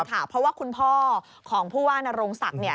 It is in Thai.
เพราะว่าคุณพ่อของผู้ว่านโรงศักดิ์